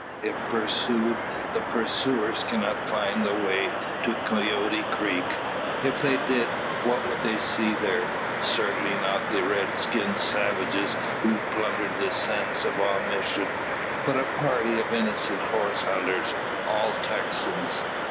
If pursued, the pursuers cannot find the way to Coyote creek. If they did, what would they see there? Certainly not the red skinned savages, who plundered the San Saba mission, but a party of innocent horse hunters, all Texans.